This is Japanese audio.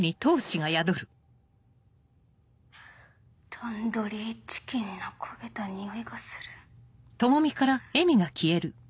タンドリーチキンの焦げたにおいがする。